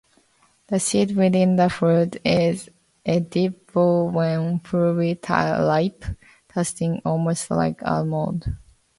The seed within the fruit is edible when fully ripe, tasting almost like almond.